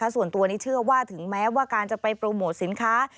ส่วนตัวนี้เชื่อว่าถึงแม้ว่าการจะไปโปรโมทสินค้า